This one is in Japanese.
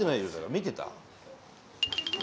見てた？